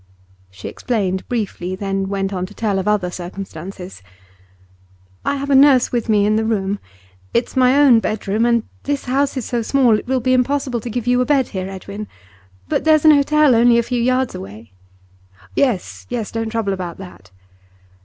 She explained briefly, then went on to tell of other circumstances. 'I have a nurse with me in the room. It's my own bedroom, and this house is so small it will be impossible to give you a bed here, Edwin. But there's an hotel only a few yards away.' 'Yes, yes; don't trouble about that.